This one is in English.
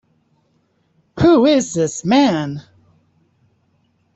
Who is this man?